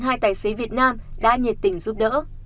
hai tài xế việt nam đã nhiệt tình giúp đỡ